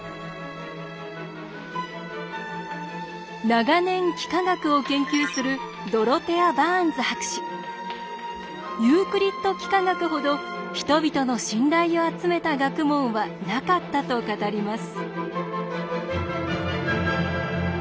長年幾何学を研究するユークリッド幾何学ほど人々の信頼を集めた学問はなかったと語ります。